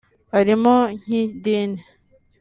Arimo nk’idini